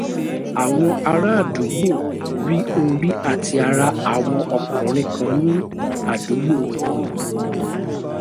Àwọn ará àdúgbó rí orí àti ara àwọn ọkùnrin kan ní àdúgbo wọn.